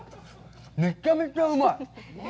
めちゃめちゃうまい！